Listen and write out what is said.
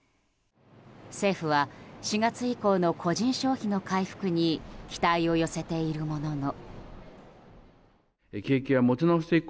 政府は４月以降の個人消費の回復に期待を寄せているものの。